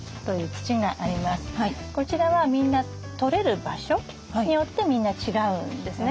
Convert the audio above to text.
こちらはみんな採れる場所によってみんな違うんですね。